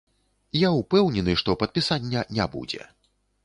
Я ўпэўнены, што падпісання не будзе.